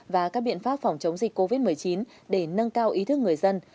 và các biện pháp phòng chống dịch covid một mươi chín để nâng cao ý thức người dân